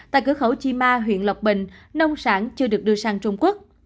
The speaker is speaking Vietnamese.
tại cửa khẩu chi ma huyện lộc bình nông sản chưa được đưa sang trung quốc